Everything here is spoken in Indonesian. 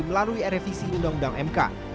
melalui revisi undang undang mk